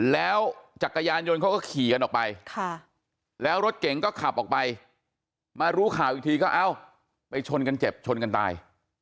แล้วจักรยานยนต์เขาก็ขี่กันออกไปแล้วรถเก๋งก็ขับออกไปมารู้ข่าวอีกทีก็เอ้าไปชนกันเจ็บชนกันตาย